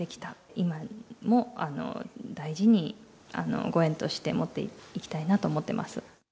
今も大事にご縁として持っていきたいなと思ってます。